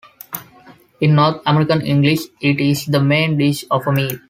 In North American English, it is the main dish of a meal.